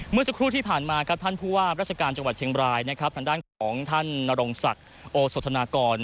เมื่อสักครู่ที่ผ่านมาครับท่านผู้ว่าราชการจังหวัดเชียงบรายนะครับทางด้านของท่านนรงศักดิ์โอสธนากร